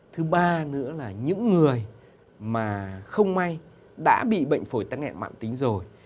thứ ba nữa là những người mà không may đã bị bệnh phổi tắc nghẹn mạng tính rồi